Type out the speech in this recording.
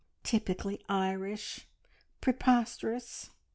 "Typically Irish! Preposterous!